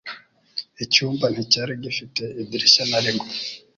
Icyumba nticyari gifite idirishya na rimwe.